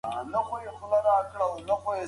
تاريخ بايد له احساس پرته ولوستل شي.